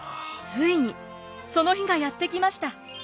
ついにその日がやって来ました。